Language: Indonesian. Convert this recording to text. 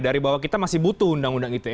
dari bahwa kita masih butuh undang undang ite